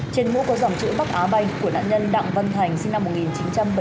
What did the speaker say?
trên mũ có dòng chữ bắc á bay của nạn nhân đặng vân thành sinh năm một nghìn chín trăm bảy mươi bốn